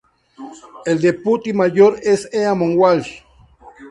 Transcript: El Deputy Mayor es Eamon Walsh.